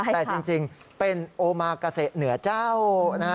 แต่จริงเป็นโอมากาเซเหนือเจ้านะฮะ